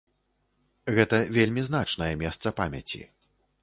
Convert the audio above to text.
Гэта вельмі значнае месца памяці.